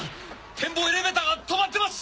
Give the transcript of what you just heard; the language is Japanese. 展望エレベーターが止まってます！